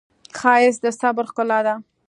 ښایست د صبر ښکلا ده